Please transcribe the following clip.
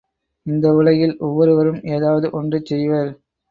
இந்த உலகில் ஒவ்வொருவரும் ஏதாவது ஒன்றைச் செய்வர்.